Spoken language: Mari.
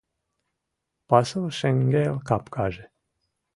Пасу шеҥгел капкаже